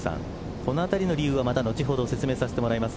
このあたりの理由はまた後ほど説明させてもらいます。